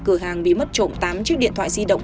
cửa hàng bị mất trộm tám chiếc điện thoại di động